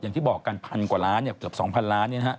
อย่างที่บอกกันพันกว่าล้านเกือบ๒๐๐ล้าน